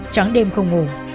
tráng đêm không ngủ